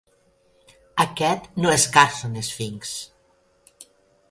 Aquest no és Carson Sphinx.